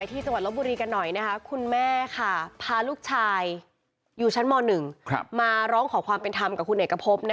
ที่สวัสดีครับคุณแม่พาลูกชายอยู่ชั้นม๑มาร้องขอความเป็นธรรมกับคุณเนธกระพบ